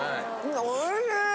おいしい！